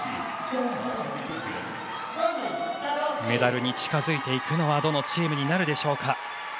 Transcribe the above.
メダルに近付くのはどのチームになるでしょうか。